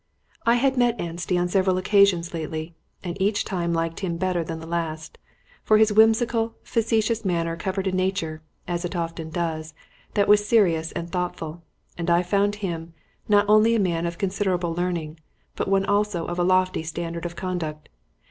I had met Anstey on several occasions lately, and each time liked him better than the last; for his whimsical, facetious manner covered a nature (as it often does) that was serious and thoughtful; and I found him, not only a man of considerable learning, but one also of a lofty standard of conduct.